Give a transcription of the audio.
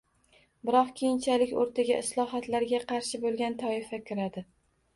Biroq keyinchalik o‘rtaga islohotlarga qarshi bo‘lgan toifa kiradi